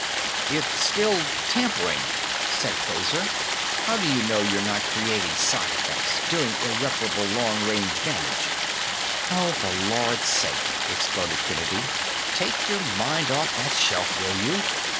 "It's still tampering," said Fraser. "How do you know you're not creating side effects, doing irreparable long range damage?" "Oh, for Lord's sake!" exploded Kennedy. "Take your mind off that shelf, will you?